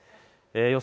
予想